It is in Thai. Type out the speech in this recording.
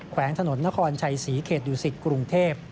แขวงถนนนครชัยศรีเขตดุสิตกรุงเทพ